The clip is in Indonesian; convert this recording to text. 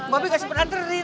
bapak kasih penantre din